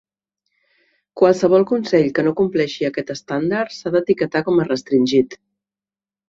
Qualsevol consell que no compleixi aquest estàndard s'ha d'etiquetar com a restringit.